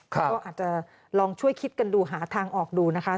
ก็อาจจะลองช่วยคิดกันดูหาทางออกดูนะคะ